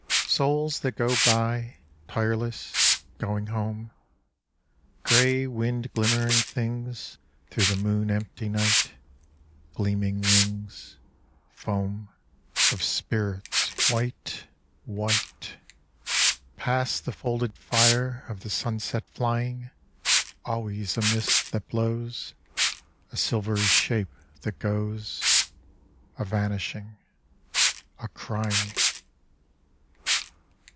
Souls that go by Tireless. Going home. Gray wind glimmering things Through the moon empty night, Gleaming wings, Foam Of spirits, white, white! 96 Solitude Past the folded fire Of the sunset flying, Always a mist that blows, A silvery shape that goes, A vanishing, a crying.